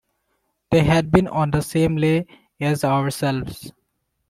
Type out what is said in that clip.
They had been on the same lay as ourselves.